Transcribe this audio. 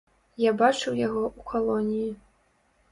Я бачыў яго ў калоніі.